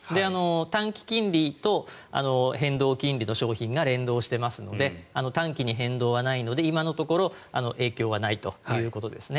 短期金利と変動金利の商品が連動していますので短期に変動はないので今のところは影響はないということですね。